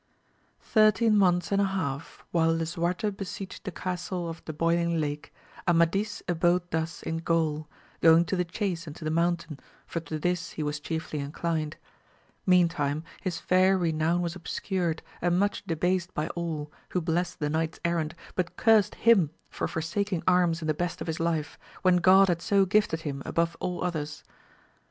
Thirteen months and a half, while Lisuarte besieged the castle of the Boiling Lake, Amadis abode thus in Gaul, going to the chase and to the mountain, for to this was he chiefly inclined : meantime his fair renown was obscured, and much debased by all, who blessed the knights errant, but cursed him for forsaking arms in the best of his life, when God had so gifted him above all others.